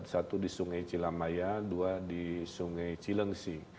satu di sungai cilamaya dua di sungai cilengsi